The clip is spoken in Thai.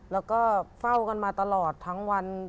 แล้วก็เฝ้ากันมาตลอดทั้งวัน